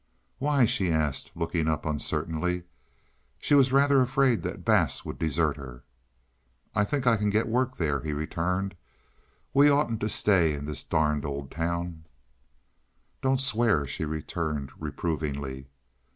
"Why?" she asked, looking up uncertainly. She was rather afraid that Bass would desert her. "I think I can get work there," he returned. "We oughtn't to stay in this darned old town." "Don't swear," she returned reprovingly.